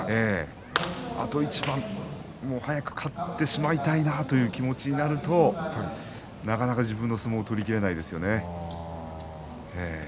あと一番早く勝ってしまいたいなという気持ちになるとなかなか自分の相撲を取りきれないですよね。